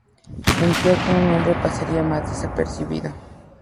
Sentía que un hombre pasaría más desapercibido.